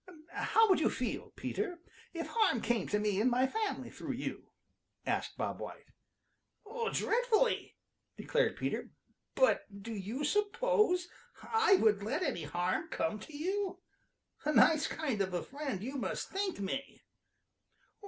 "How would you feel, Peter, if harm came to me and my family through you?" asked Bob White. "Dreadfully," declared Peter. "But do you suppose I would let any harm come to you? A nice kind of a friend you must think me!"